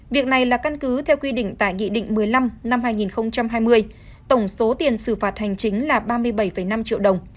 việc này là căn cứ theo quy định tại nghị định một mươi năm năm hai nghìn hai mươi tổng số tiền xử phạt hành chính là ba mươi bảy năm triệu đồng